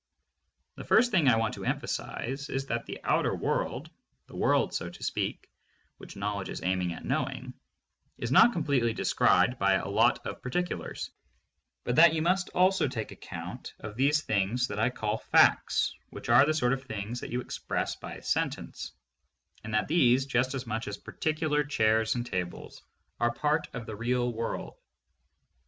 The first thing I want to emphasize is that the outer world — the world, so to speak, which knowledge is aiming at knowing — is not completely described by a lot of "particulars," but that you must also take account of these things that I call facts, which are the sort of things that you express by a sentence, and that these, just as much as particular chairs and tables, are part of the real world.